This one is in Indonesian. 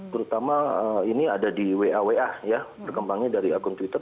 terutama ini ada di wa wa ya berkembangnya dari akun twitter